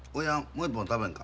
もう１本食べんか。